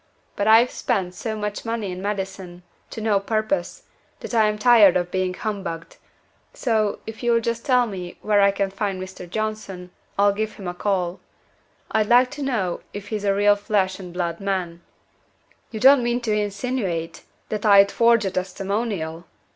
But I've spent so much money in medicine, to no purpose, that I am tired of being humbugged: so, if you'll just tell me where I can find this Mr. Johnson, I'll give him a call. I'd like to know if he's a real flesh and blood man." "You don't mean to insinuate that I'd forge a testimonial?"